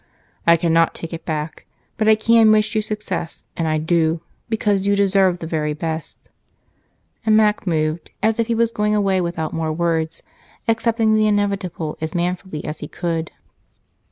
I cannot take it back, but I can wish you success, and I do, because you deserve the very best." And Mac moved as if he was going away without more words, accepting the inevitable as manfully as he could.